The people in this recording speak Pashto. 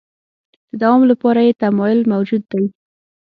د دوام لپاره یې تمایل موجود دی.